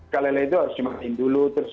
kalela itu harus dimakan dulu terus